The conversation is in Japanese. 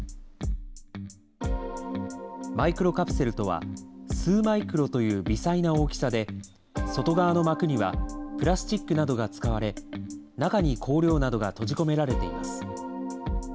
マイクロカプセルとは、数マイクロという微細な大きさで、外側の膜にはプラスチックなどが使われ、中に香料などが閉じ込められています。